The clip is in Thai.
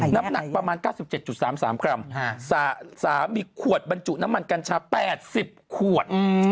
น้ำหนักประมาณ๙๗๓๓กรัมสามีขวดบรรจุน้ำมันกัญชา๘๐ขวด